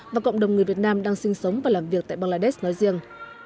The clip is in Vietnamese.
và cộng đồng người việt nam đang sinh sống và làm việc tại bangladesh nói riêng